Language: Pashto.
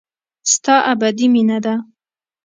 ستا ابدي مينه ده.